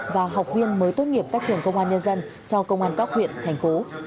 và học viên mới tốt nghiệp các trường công an nhân dân cho công an các huyện thành phố